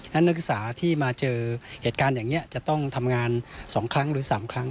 นักศึกษาที่มาเจอเหตุการณ์อย่างนี้จะต้องทำงาน๒ครั้งหรือ๓ครั้ง